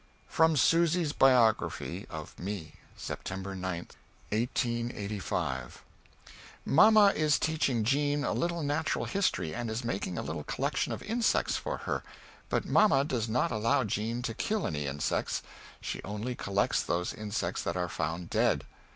From Susy's Biography of Me. Sept. 9, '85. Mamma is teaching Jean a little natural history and is making a little collection of insects for her. But mamma does not allow Jean to kill any insects she only collects those insects that are found dead.